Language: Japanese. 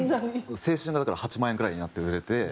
青春がだから８万円くらいになって売れて。